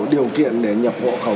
điều kiện để nhập hộ khẩu